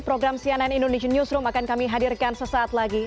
program cnn indonesian newsroom akan kami hadirkan sesaat lagi